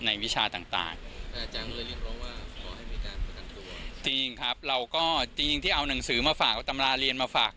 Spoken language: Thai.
ในวิชาต่างจริงครับเราก็จริงที่เอาหนังสือมาฝากเอาตำราเรียนมาฝาก